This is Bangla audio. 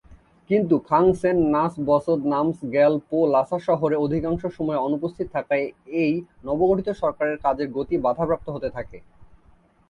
কিন্তু খাং-ছেন-নাস-ব্সোদ-নাম্স-র্গ্যাল-পো লাসা শহরে অধিকাংশ সময়ে অনুপস্থিত থাকায় এই নবগঠিত সরকারের কাজের গতি বাধাপ্রাপ্ত হতে থাকে।